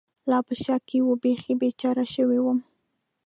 لا په شک کې و، بېخي بېچاره شوی ووم.